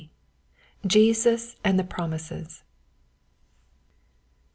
JESUS AND THE PROMISES.